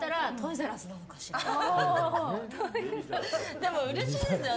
でも、うれしいですよね